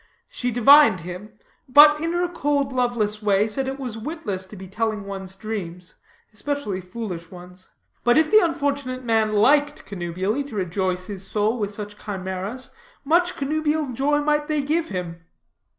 She divined him. But, in her cold loveless way, said it was witless to be telling one's dreams, especially foolish ones; but if the unfortunate man liked connubially to rejoice his soul with such chimeras, much connubial joy might they give him.